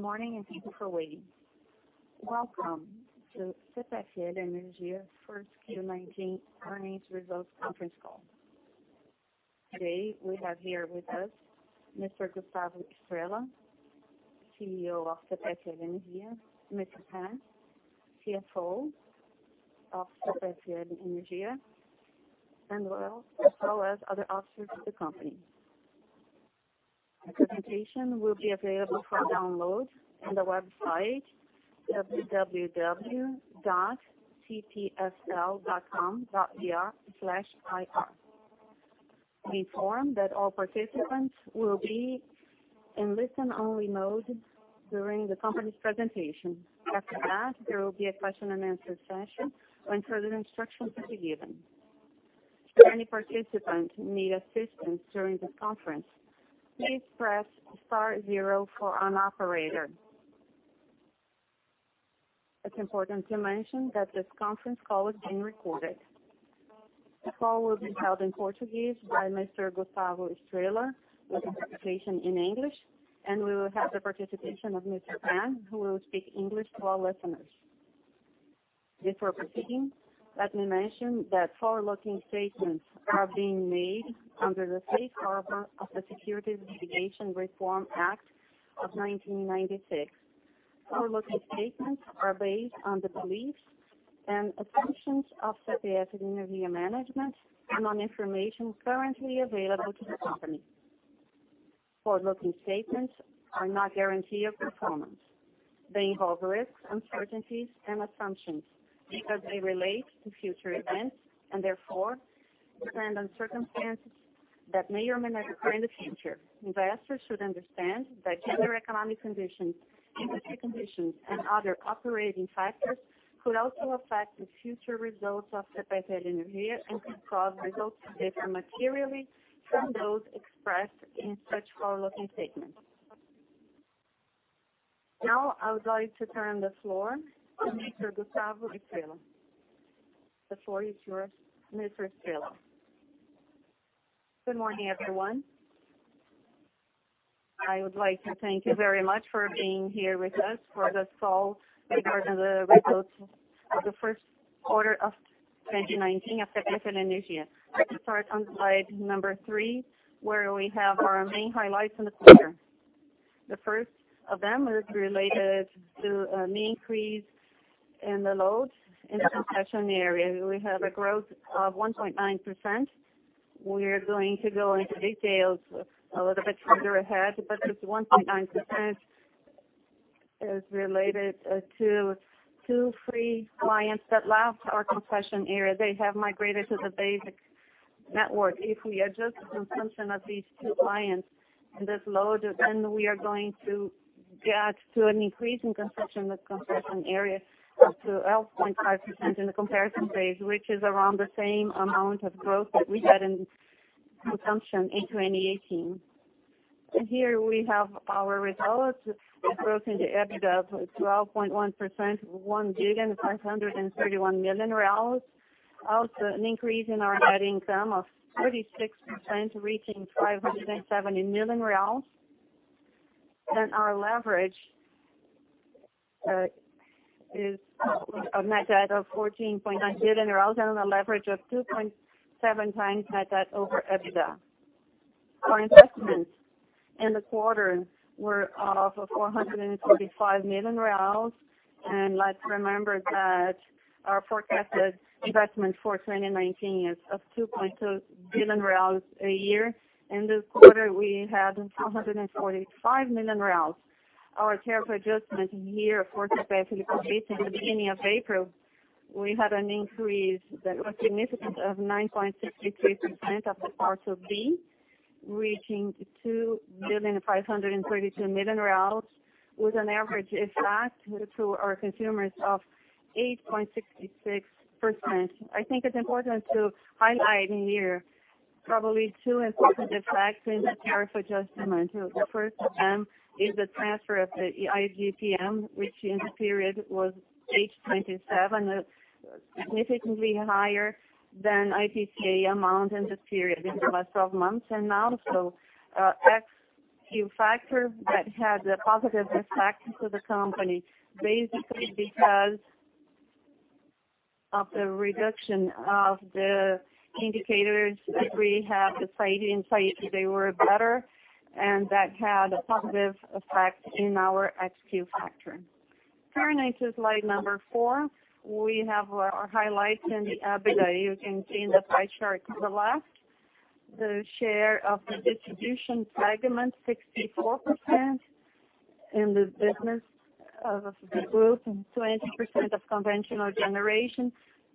Good morning. Thank you for waiting. Welcome to CPFL Energia first Q19 earnings results conference call. Today we have here with us Mr. Gustavo Estrella, CEO of CPFL Energia, Mr. Pan, CFO of CPFL Energia, as well as other officers of the company. The presentation will be available for download on the website www.cpfl.com.br/ir. Be informed that all participants will be in listen-only mode during the company's presentation. There will be a question-and-answer session when further instructions will be given. If any participant needs assistance during the conference, please press star zero for an operator. It is important to mention that this conference call is being recorded. The call will be held in Portuguese by Mr. Gustavo Estrella, with interpretation in English. We will have the participation of Mr. Pan, who will speak English to our listeners. Before proceeding, let me mention that forward-looking statements are being made under the Safe Harbor of the Securities Litigation Reform Act of 1996. Forward-looking statements are based on the beliefs and assumptions of CPFL Energia management and on information currently available to the company. Forward-looking statements are not guarantee of performance. They involve risks, uncertainties, and assumptions because they relate to future events and therefore depend on circumstances that may or may not occur in the future. Investors should understand that general economic conditions, industry conditions, and other operating factors could also affect the future results of CPFL Energia and can cause results to differ materially from those expressed in such forward-looking statements. I would like to turn the floor to Mr. Gustavo Estrella. The floor is yours, Mr. Estrella. Good morning, everyone. I would like to thank you very much for being here with us for this call regarding the results of the first quarter of 2019 of CPFL Energia. Let us start on slide number three, where we have our main highlights in the quarter. The first of them is related to an increase in the load in the concession area. We have a growth of 1.9%. We are going to go into details a little bit further ahead, but this 1.9% is related to two free clients that left our concession area. They have migrated to the basic network. If we adjust the consumption of these two clients in this load, we are going to get to an increase in concession, with concession areas up to 12.5% in the comparison phase, which is around the same amount of growth that we had in consumption in 2018. Here we have our results. A growth in the EBITDA of 12.1%, 1.531 billion. An increase in our net income of 36%, reaching 570 million reais. Our leverage is a net debt of 14.9 billion and a leverage of 2.7 times net debt over EBITDA. Our investments in the quarter were of 445 million. Let us remember that our forecasted investment for 2019 is of 2.2 billion reais a year. In this quarter, we had 445 million reais. Our tariff adjustment year for CPFL Paulista at the beginning of April, we had an increase that was significant of 9.63% of the Part B, reaching BRL 2,532,000 with an average effect to our consumers of 8.66%. It is important to highlight in here probably two important effects in the tariff adjustment. The first of them is the transfer of the IGPM, which in the period was 27%, significantly higher than IPCA amount in this period in the last 12 months. Also, X factor that had a positive effect to the company, basically because of the reduction of the indicators that we have decided inside they were better, and that had a positive effect in our X factor. Turning to slide four, we have our highlights in the EBITDA. You can see in the pie chart to the left, the share of the distribution segment, 64% in the business of the group, and 20% of conventional generation,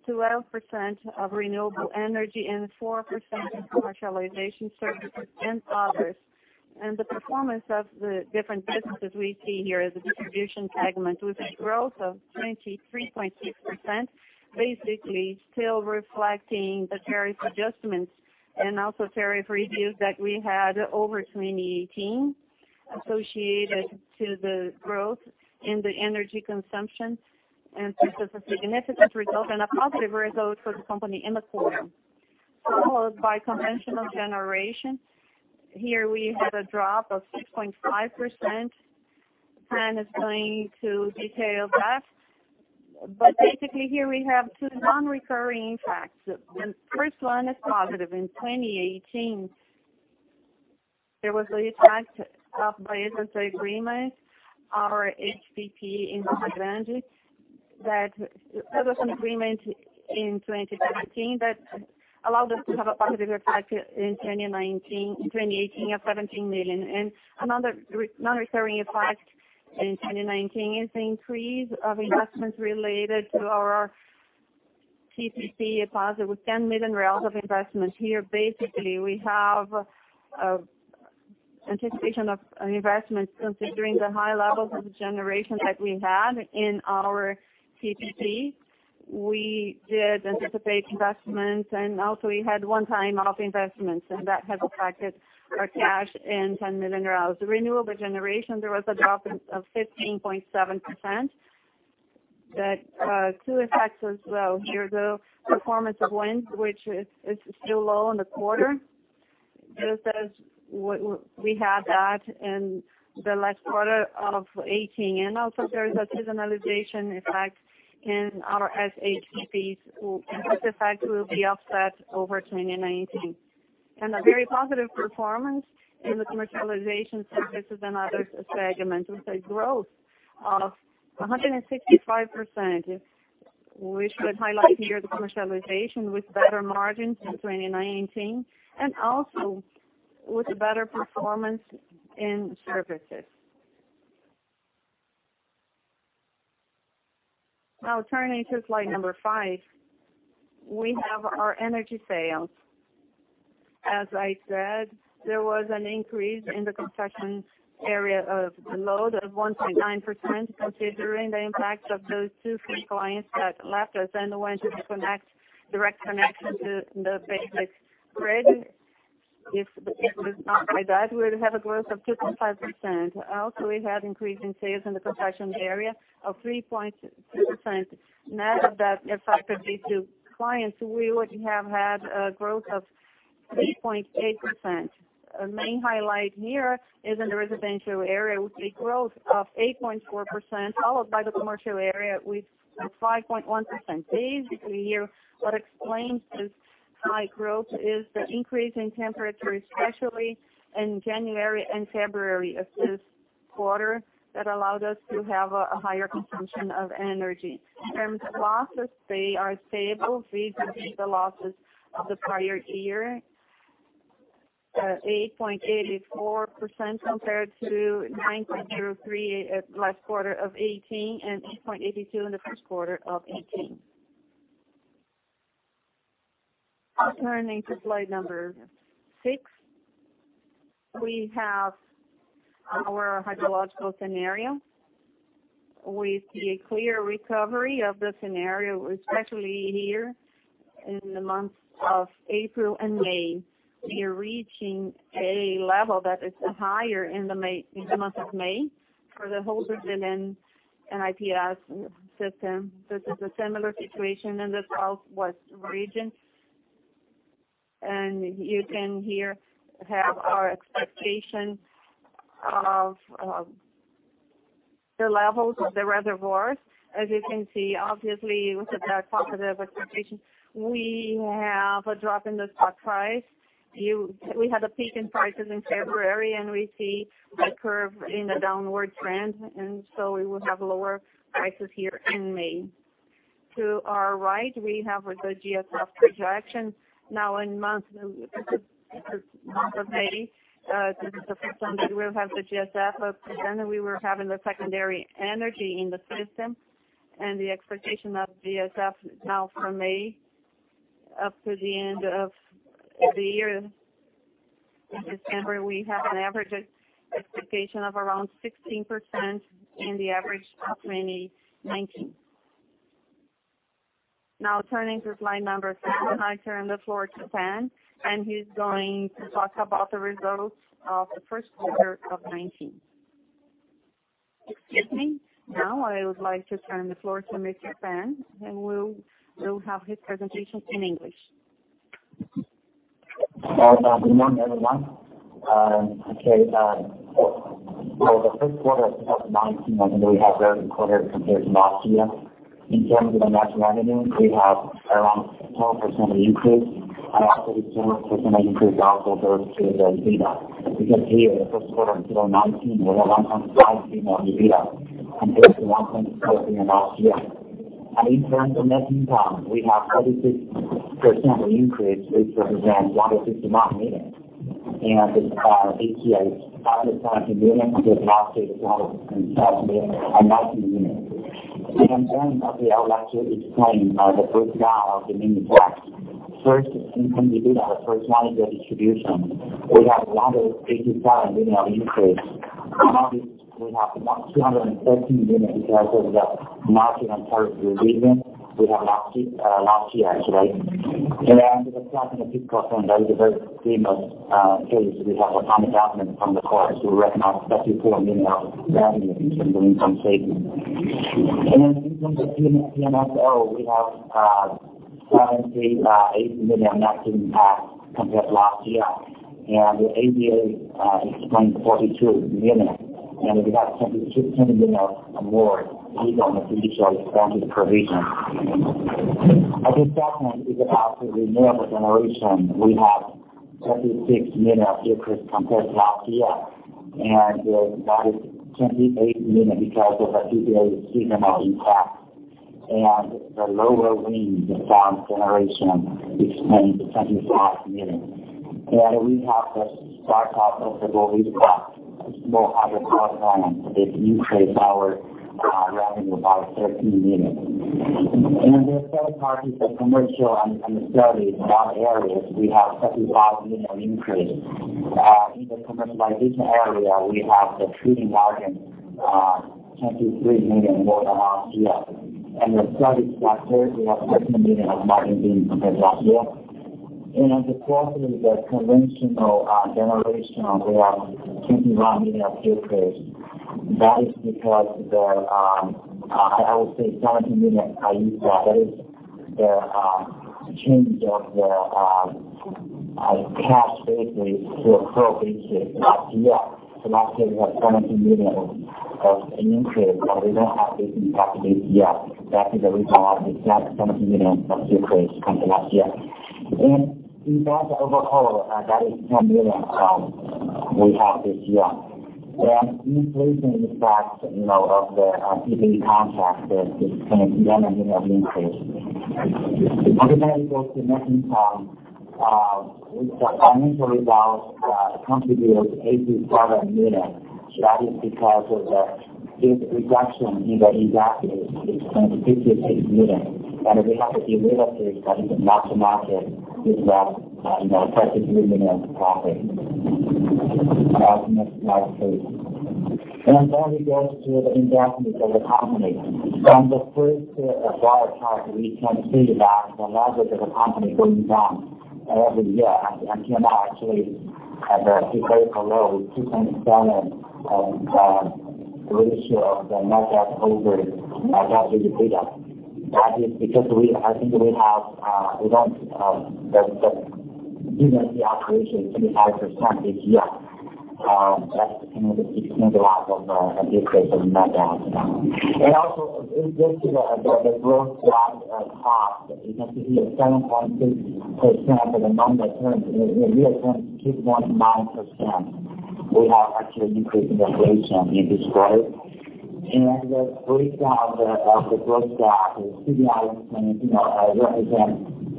12% of renewable energy, and 4% in commercialization services and others. The performance of the different businesses we see here is the distribution segment, with a growth of 23.6%, basically still reflecting the tariff adjustments and also tariff reviews that we had over 2018 associated to the growth in the energy consumption, and this is a significant result and a positive result for the company in the quarter. Followed by conventional generation. Here we had a drop of 6.5%. It's going to detail that. Basically, here we have two non-recurring impacts. The first one is positive. In 2018, there was the impact of agreement, our HPP in Rio Grande. That was an agreement in 2019 that allowed us to have a positive effect in 2018 of 17 million. Another non-recurring impact in 2019 is the increase of investments related to our TTC deposit with 10 million of investment. Here, basically, we have anticipation of investments considering the high levels of generation that we had in our TTC. We did anticipate investments. Also we had one-time investments. That has affected our cash in BRL 10 million. The renewable generation, there was a drop of 15.7% that two effects as well. Here, the performance of wind, which is still low in the quarter. This is what we had that in the last quarter of 2018. Also there is a seasonalization effect in our SHPPs. This effect will be offset over 2019. A very positive performance in the commercialization services and other segments with a growth of 165%, which would highlight here the commercialization with better margins in 2019 and also with a better performance in services. Now turning to slide five, we have our energy sales. As I said, there was an increase in the concession area of load of 1.9%, considering the impact of those two free clients that left us and went to direct connection to the basic grid. If it was not like that, we would have a growth of 2.5%. Also, we had increase in sales in the concession area of 3.2%. Net of that effect of these two clients, we would have had a growth of 3.8%. Main highlight here is in the residential area with a growth of 8.4%, followed by the commercial area with 5.1%. Basically here, what explains this high growth is the increase in temperature, especially in January and February of this quarter, that allowed us to have a higher consumption of energy. In terms of losses, they are stable vis-à-vis the losses of the prior year, 8.84% compared to 9.03% at last quarter of 2018 and 8.82% in the first quarter of 2018. Turning to slide number six, we have our hydrological scenario. We see a clear recovery of the scenario, especially here in the months of April and May. We are reaching a level that is higher in the month of May for the whole Brazilian NIS system. This is a similar situation in the Southeast region. You can here have our expectation of the levels of the reservoirs. As you can see, obviously, with the positive expectation, we have a drop in the spot price. We had a peak in prices in February. We see the curve in a downward trend, we will have lower prices here in May. To our right, we have the GSF projection. In month of May, this is the first time that we have the GSF up. We were having the secondary energy in the system, and the expectation of GSF now for May up to the end of the year in December, we have an average expectation of around 16% in the average of 2019. Turning to slide number seven, I turn the floor to Pan, and he's going to talk about the results of the first quarter of 2019. Excuse me. I would like to turn the floor to Mr. Pan, and we'll have his presentation in English. Good morning, everyone. For the first quarter of 2019, I think we have a very good quarter compared to last year. In terms of the net revenue, we have around 12% of increase, and also 10% increase in comparable EBITDA. Because here in the first quarter in 2019, we have BRL 1.5 billion in EBITDA compared to BRL 1.4 billion last year. In terms of net income, we have 36% of increase, which represents 151 million. This EBITDA 574 million compared to last year million in 2019. I would like to explain the breakdown of the main effects. First, in terms of EBITDA, first one is the distribution. We have 187 million of increase. Obviously, we have 213 million because of the margin on power generation we had last year actually. The second that is a very famous case. We have a one-time payment from the court, so we recognized BRL 34 million of revenue in terms of income statement. In terms of PMSO, we have BRL 8 million net income compared to last year. The ADA explained BRL 42 million. We have BRL 22 million more based on the PPA expansion provision. The second is about the renewable generation. We have 26 million increase compared to last year. That is 28 million because of our PPA CBMOL impact. The lower wind farm generation explained the BRL 25 million. We have the start-up of the Bolívia small hydropower plant. It increased our revenue by 13 million. The third part is the commercial and the studies. In that area, we have 25 million increase. In the commercialization area, we have the trading margin, 23 million more than last year. The studies, last year, we have 13 million of margin compared to last year. The fourth is the conventional generation, where we have 21 million decrease. That is because the 17 million IEB. That is the change of the cash basis to accrual basis last year. Last year we had BRL 17 million of increase, but we don't have this impact this year. That is the reason why we have the BRL 17 million of decrease compared to last year. In that overall, that is 10 million we have this year. Increasing the fact of the PPA contract, there's this BRL 10 million increase. Then we go to net income. We start financially about contributor R$87 million. That is because of the reduction in the EBITDA is BRL 256 million. We have the revaluation that is mark-to-market is that BRL 33 million profit. Next slide, please. Then we go to the investment of the company. From the first to the bottom part, we can see that the leverage of the company going down every year, and came out actually at the historical low, 2.7 of the ratio of the net debt over adjusted EBITDA. That is because we have the EBITDA operation 25% this year. That's the reason why we have a decrease of net debt. This is the gross debt part. You can see a 7.6% of the moment. We are going to keep going 9%. We have actually increase in the inflation in this quarter. The breakdown of the gross debt is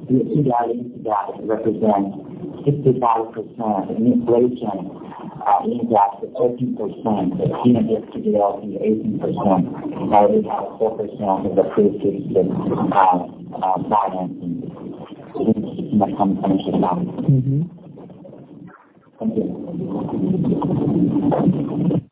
CDI represents 65%, inflation EBITDA 13%, CDLT 18%, then we have 4% of the trade credit that financing the company's financial debt. Thank you.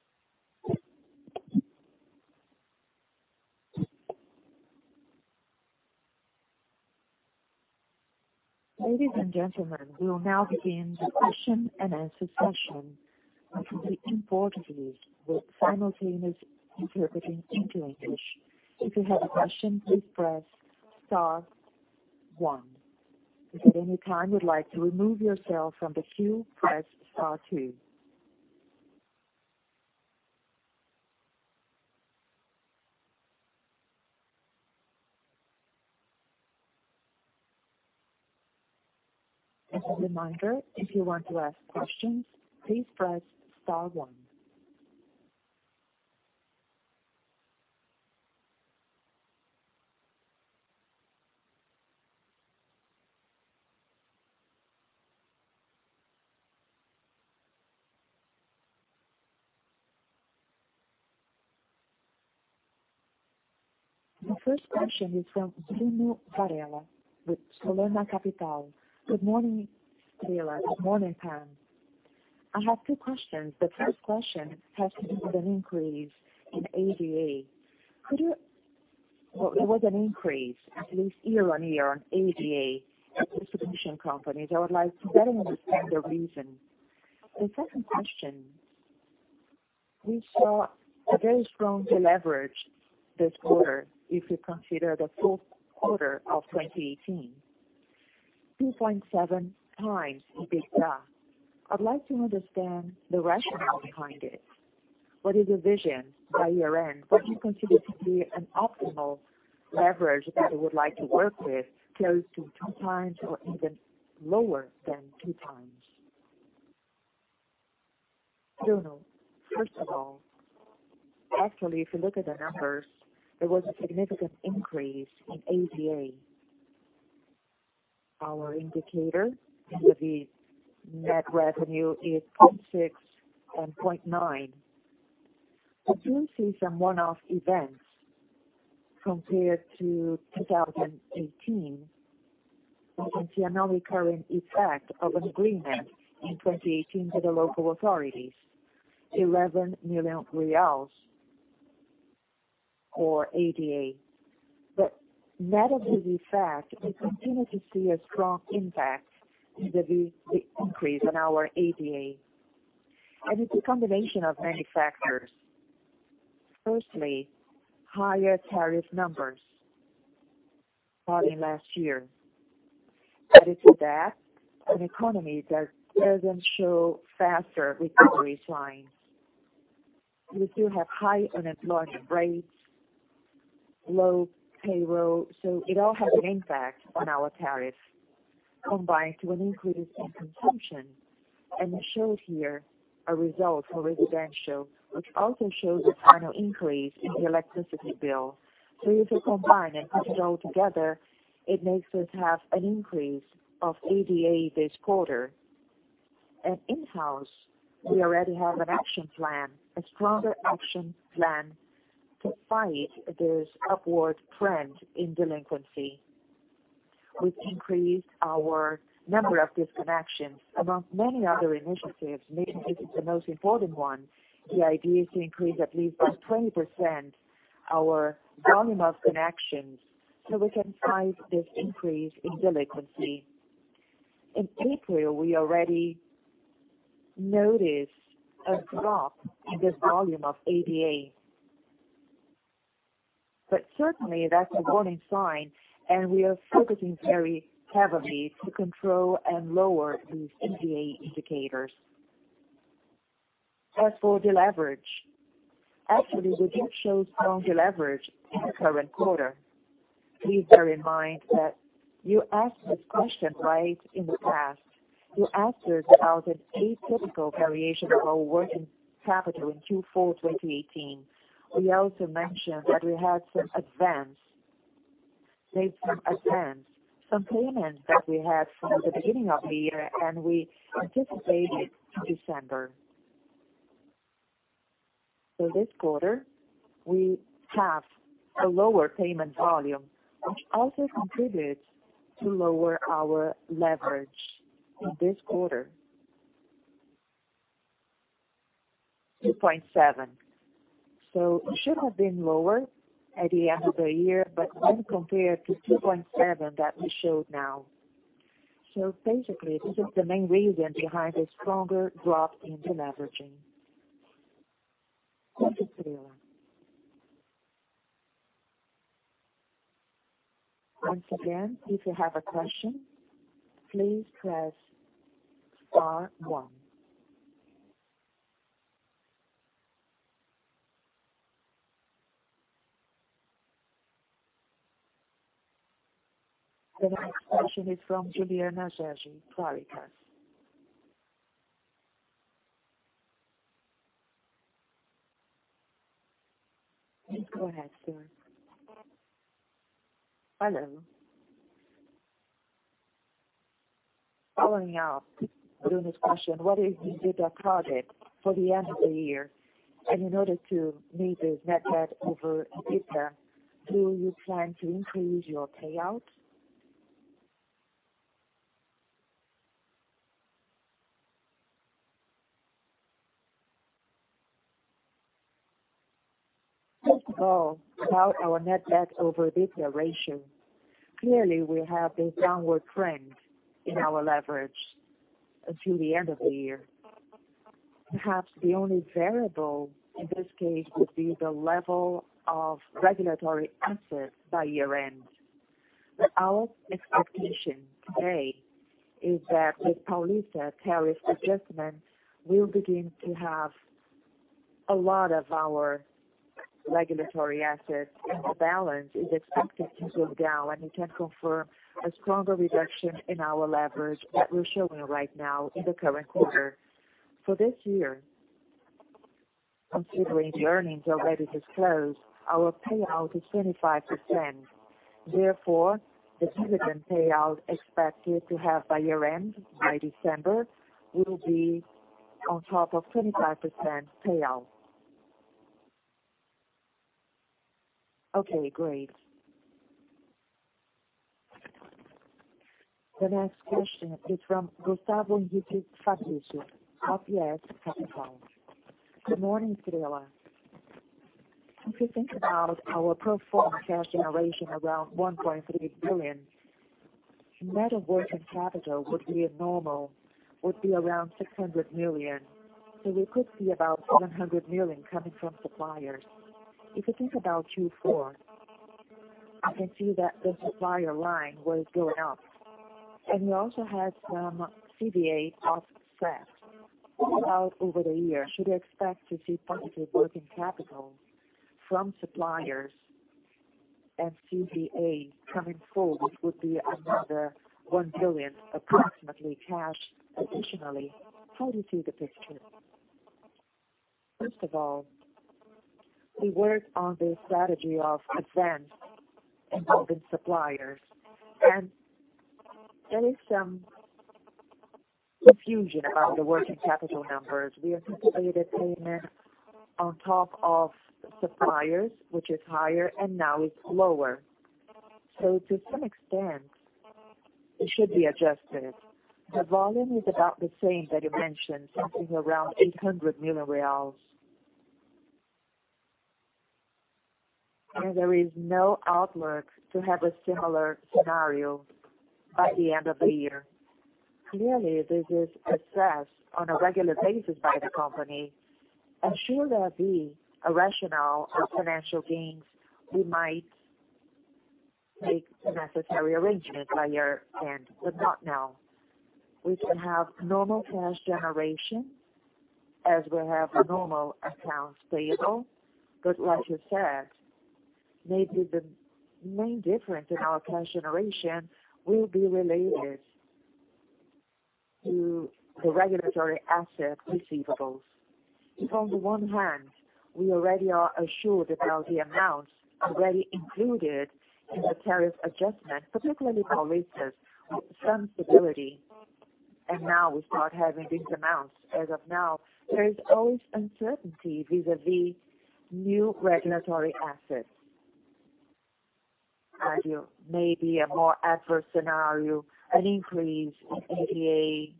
Ladies and gentlemen, we will now begin the question-and-answer session. It is important for you that simultaneous interpreting into English. If you have a question, please press star 1. If at any time you'd like to remove yourself from the queue, press star 2. As a reminder, if you want to ask questions, please press star 1. The first question is from Bruno Varella with Solema Capital. Good morning, Estrella. Good morning, Pan. I have two questions. The first question has to do with an increase in ADA. There was an increase, at least year-over-year, on ADA distribution companies. I would like to better understand the reason. The second question, we saw a very strong leverage this quarter if you consider the full quarter of 2018, 2.7 times EBITDA. I'd like to understand the rationale behind it. What is your vision by year-end? What do you consider to be an optimal leverage that you would like to work with close to 2 times or even lower than 2 times? Bruno, first of all, actually, if you look at the numbers, there was a significant increase in ADA. Our indicator in the net revenue is 0.6 and 0.9. We do see some one-off events compared to 2018. We can see a non-recurring effect of an agreement in 2018 with the local authorities, 11 million reais or ADA. Net of this effect, we continue to see a strong impact in the increase in our ADA. It's a combination of many factors. Firstly, higher tariff numbers than in last year. Added to that, an economy that doesn't show faster recovery signs. We still have high unemployment rates, low payroll, it all has an impact on our tariff, combined with an increase in consumption. We showed here a result for residential, which also shows a final increase in the electricity bill. If you combine and put it all together, it makes us have an an increase of 88 this quarter. In-house, we already have an action plan, a stronger action plan to fight this upward trend in delinquency. We've increased our number of disconnections amongst many other initiatives, maybe this is the most important one. The idea is to increase at least by 20% our volume of connections so we can fight this increase in delinquency. In April, we already noticed a drop in this volume of 88. Certainly that's a warning sign, we are focusing very heavily to control and lower these ADA indicators. As for deleverage, actually we do show strong deleverage in the current quarter. Please bear in mind that you asked this question right in the past. You asked us about an atypical variation of our working capital in Q4 2018. We also mentioned that we had made some payments that we had from the beginning of the year, and we anticipated to December. This quarter, we have a lower payment volume, which also contributed to lower our leverage in this quarter, 2.7. It should have been lower at the end of the year, but when compared to 2.7 that we showed now. Basically this is the main reason behind the stronger drop in deleveraging. Once again, if you have a question, please press star one. The next question is from Juliana Sartori, Claritas. Please go ahead, sir. Hello. Following up Bruno's question, what is the EBITDA project for the end of the year? In order to meet this net debt over EBITDA, do you plan to increase your payout? First of all, about our net debt over EBITDA ratio. Clearly, we have a downward trend in our leverage until the end of the year. Perhaps the only variable in this case would be the level of regulatory assets by year-end. Our expectation today is that with Paulista tariff adjustment, we'll begin to have a lot of our regulatory assets in the balance is expected to go down, we can confirm a stronger reduction in our leverage that we're showing right now in the current quarter. For this year, considering earnings already disclosed, our payout is 25%. Therefore, the dividend payout expected to have by year-end, by December, will be on top of 25% payout. Okay, great. The next question is from In the audio it is Gustavo Henrique Fabrizio of XP Investimentos. Good morning, Cirila. If you think about our pro forma cash generation around 1.3 billion, net of working capital would be a normal, around 600 million. We could see about 700 million coming from suppliers. If you think about Q4, I can see that the supplier line was going up, and we also had some CVA offsets. How about over the year? Should we expect to see positive working capital from suppliers and CVA coming forward would be another 1 billion approximately cash additionally. How do you see the picture? First of all, we work on the strategy of advance involving suppliers, and there is some confusion about the working capital numbers. We anticipated payment on top of suppliers, which is higher, and now it's lower. To some extent, it should be adjusted. The volume is about the same that you mentioned, something around 800 million reais. There is no outlook to have a similar scenario by the end of the year. Clearly, this is assessed on a regular basis by the company, and should there be a rationale of financial gains, we might take the necessary arrangement by year-end, but not now. We can have normal cash generation, as we have normal accounts payable. But like you said, maybe the main difference in our cash generation will be related to the regulatory asset receivables. If on the one hand, we already are assured about the amounts already included in the tariff adjustment, particularly for leases with some stability, and now we start having these amounts. As of now, there is always uncertainty vis-a-vis new regulatory assets. Maybe a more adverse scenario, an increase in ADA,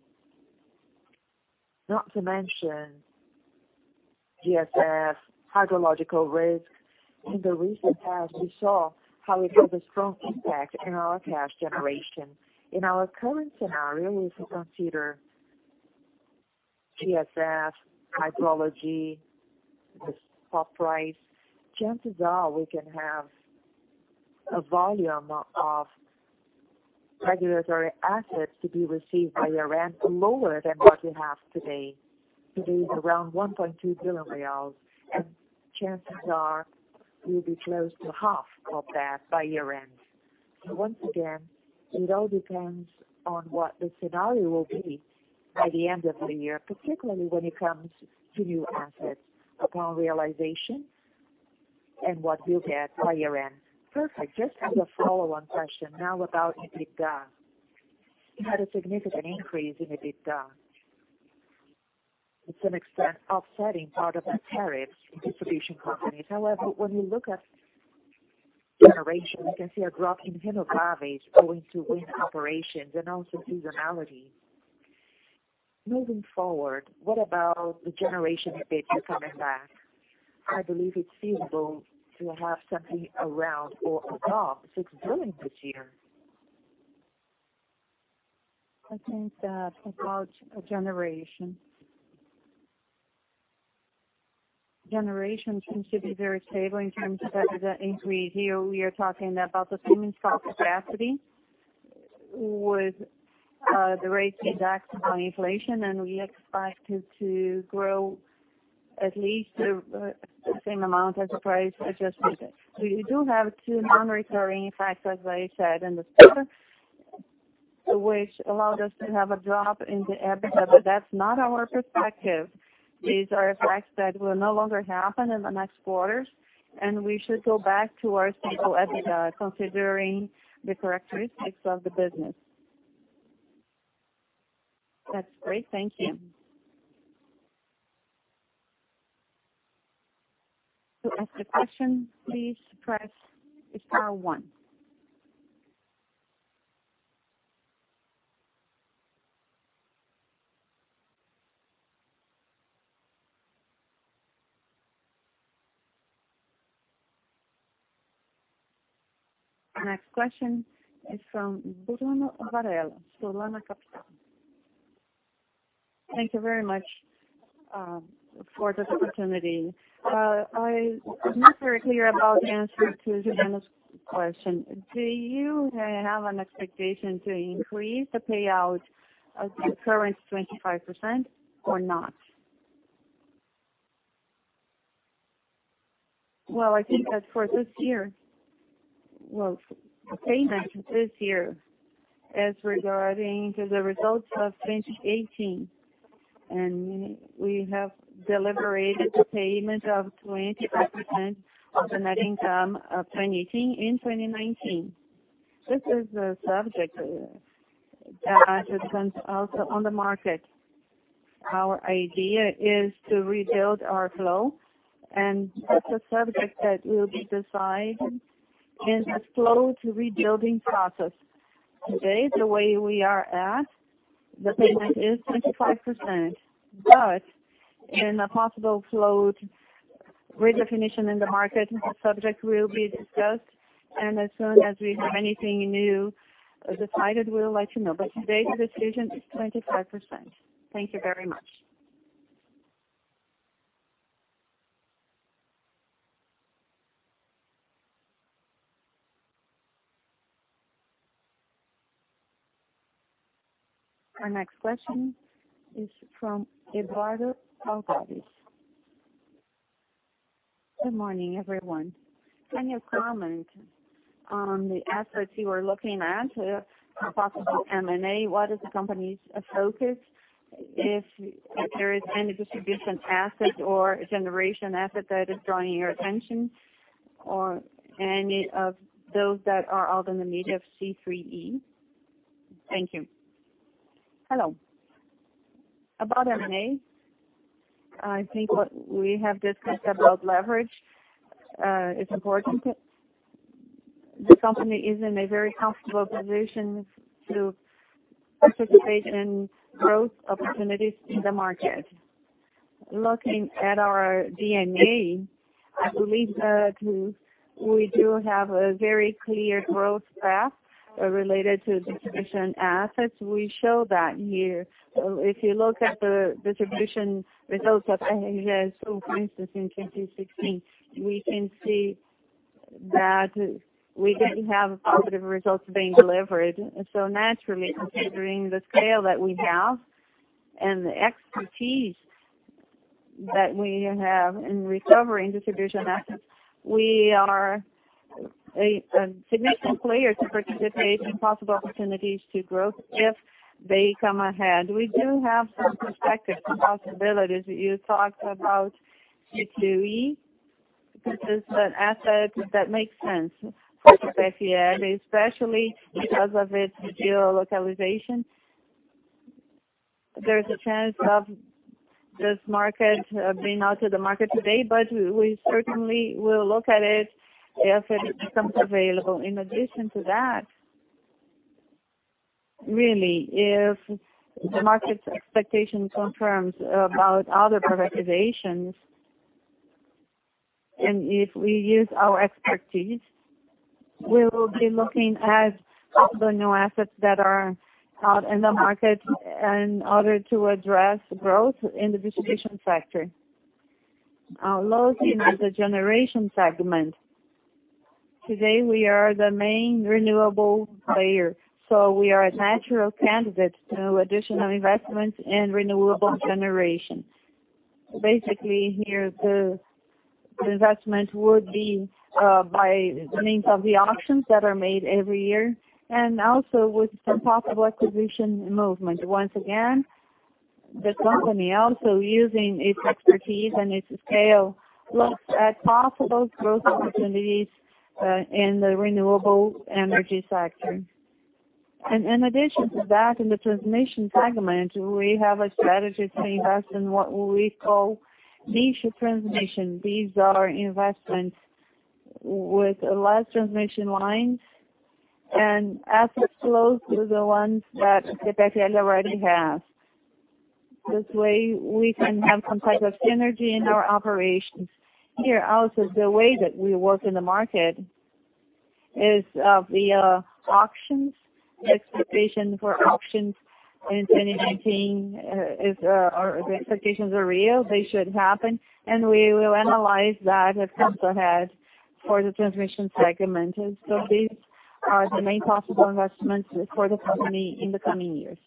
not to mention GSF hydrological risk. In the recent past, we saw how it had a strong impact on our cash generation. In our current scenario, if we consider GSF hydrology, the spot price, chances are we can have a volume of regulatory assets to be received by year-end lower than what we have today. Today is around 1.2 billion reais, and chances are we'll be close to half of that by year-end. Once again, it all depends on what the scenario will be by the end of the year, particularly when it comes to new assets upon realization and what we'll get by year-end. Perfect. Just as a follow-on question, now about EBITDA. You had a significant increase in EBITDA. To some extent, offsetting part of the tariffs in distribution companies. However, when we look at generation, we can see a drop in revenue going to wind operations and also seasonality. Moving forward, what about the generation EBITDA coming back? I believe it's feasible to have something around or above 6 billion this year. I think that about generation. Generation seems to be very stable in terms of the increase. Here we are talking about the same installed capacity with the rates indexed on inflation, and we expect it to grow at least the same amount as the price adjustment. We do have two non-recurring effects, as I said in the statement, which allowed us to have a drop in the EBITDA. That's not our perspective. These are effects that will no longer happen in the next quarters, and we should go back to our simple EBITDA, considering the characteristics of the business. That's great. Thank you. To ask a question, please press star one. The next question is from Bruno Varela, Solana Capital. Thank you very much for this opportunity. I was not very clear about the answer to Juliana's question. Do you have an expectation to increase the payout of the current 25% or not? I think as for this year. The payment this year as regarding to the results of 2018, and we have deliberated the payment of 25% of the net income of 2018 in 2019. This is a subject that has been also on the market. Our idea is to rebuild our flow, and that's a subject that will be decided in a slow rebuilding process. Today, the way we are at, the payment is 25%, but in a possible slow redefinition in the market, the subject will be discussed, and as soon as we have anything new decided, we'll let you know. Today the decision is 25%. Thank you very much. Our next question is from Eduardo Alvarez. Good morning, everyone. Can you comment on the assets you are looking at a possible M&A? What is the company's focus? If there is any distribution asset or generation asset that is drawing your attention or any of those that are out in the media of CEEE. Thank you. Hello. About M&A, I think what we have discussed about leverage is important The company is in a very comfortable position to participate in growth opportunities in the market. Looking at our DNA, I believe that we do have a very clear growth path related to distribution assets. We show that here. If you look at the distribution results of ENE for instance, in 2016, we can see that we have positive results being delivered. Naturally, considering the scale that we have and the expertise that we have in recovering distribution assets, we are a significant player to participate in possible opportunities to growth if they come ahead. We do have some prospective possibilities. You talked about Itaú, this is an asset that makes sense for CPFL, especially because of its geo-localization. There's a chance of this market being out to the market today, but we certainly will look at it if it becomes available. In addition to that, really, if the market's expectation confirms about other privatizations, if we use our expertise, we will be looking at all the new assets that are out in the market in order to address growth in the distribution sector. Looking at the generation segment, today we are the main renewable player, so we are a natural candidate to additional investments in renewable generation. Basically here the investment would be by means of the auctions that are made every year and also with some possible acquisition movement. Once again, the company also using its expertise and its scale looks at possible growth opportunities in the renewable energy sector. In addition to that, in the transmission segment, we have a strategy to invest in what we call niche transmission. These are investments with less transmission lines and assets close to the ones that CPFL already has. This way we can have some type of synergy in our operations. Here also, the way that we work in the market is of the auctions, the expectation for auctions in 2019, if the expectations are real, they should happen, and we will analyze that as it comes ahead for the transmission segment. These are the main possible investments for the company in the coming years.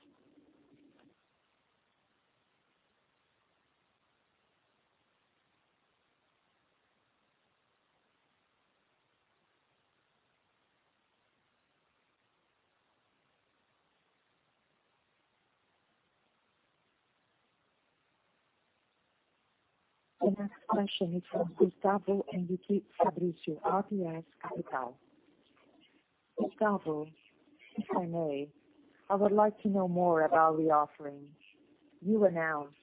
The next question is from Gustavo Henrique Fabrizio, RBS Capital. Gustavo, if I may, I would like to know more about the offering. You announced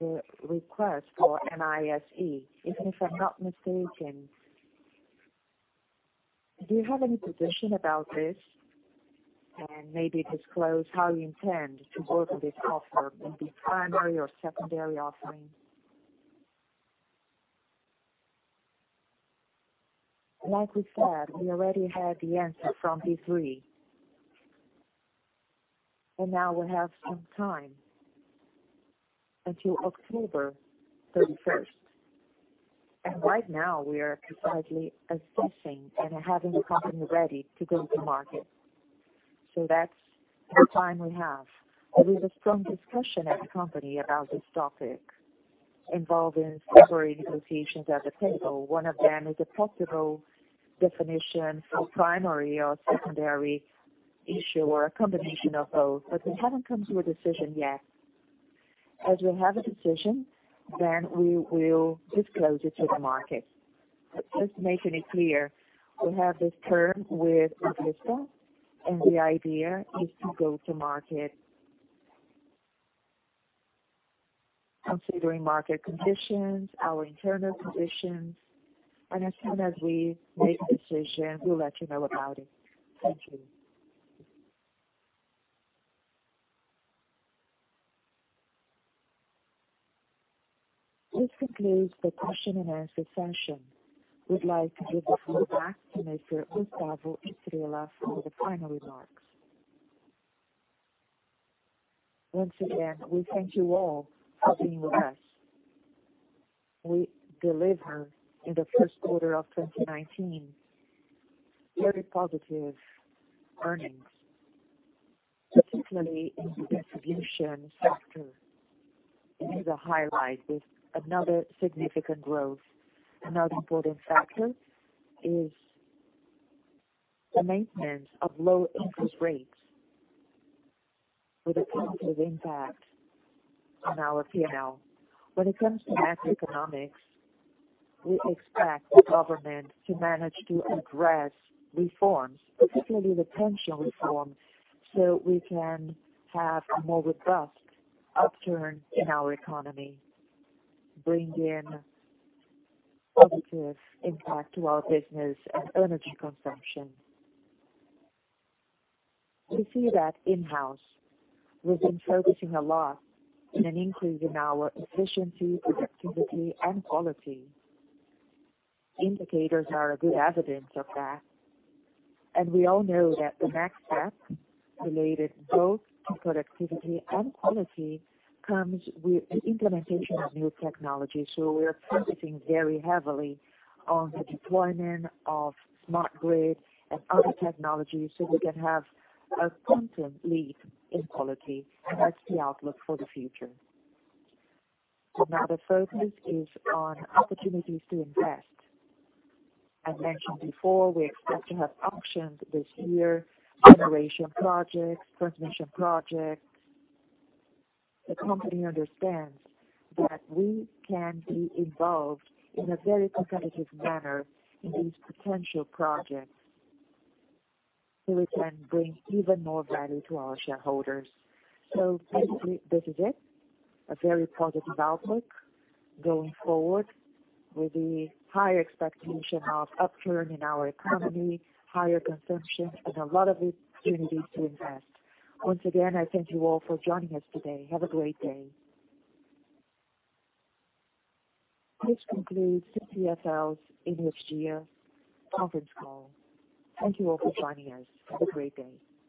the request for ANEEL, if I'm not mistaken. Do you have any position about this? Maybe disclose how you intend to work on this offer, it be primary or secondary offering. Like we said, we already had the answer from CVM. Now we have some time until October 31st. Right now we are carefully assessing and having the company ready to go to market. That's the time we have. There's a strong discussion at the company about this topic, involving several negotiations at the table. One of them is a possible definition for primary or secondary issue or a combination of both. We haven't come to a decision yet. As we have a decision, then we will disclose it to the market. Just making it clear, we have this term with and the idea is to go to market, considering market conditions, our internal conditions, and as soon as we make a decision, we'll let you know about it. Thank you. This concludes the question and answer session. We'd like to give the floor back to Mr. Gustavo Estrella for the final remarks. Once again, we thank you all for being with us. We delivered in the first quarter of 2019 very positive earnings, particularly in the distribution sector. This is a highlight with another significant growth. Another important factor is the maintenance of low interest rates with a positive impact on our P&L. When it comes to macroeconomics, we expect the government to manage to address reforms, particularly the pension reform, we can have more robust upturn in our economy, bring in positive impact to our business and energy consumption. We see that in-house, we've been focusing a lot on an increase in our efficiency, productivity, and quality. Indicators are a good evidence of that. We all know that the next step related both to productivity and quality comes with the implementation of new technology. We are focusing very heavily on the deployment of smart grid and other technologies so we can have a quantum leap in quality. That's the outlook for the future. Now the focus is on opportunities to invest. As mentioned before, we expect to have auctions this year, generation projects, transmission projects. The company understands that we can be involved in a very competitive manner in these potential projects so we can bring even more value to our shareholders. Basically, this is it. A very positive outlook going forward with the high expectation of upturn in our economy, higher consumption, and a lot of opportunities to invest. Once again, I thank you all for joining us today. Have a great day. This concludes CPFL's English year conference call. Thank you all for joining us. Have a great day.